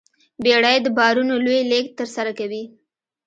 بیړۍ د بارونو لوی لېږد ترسره کوي.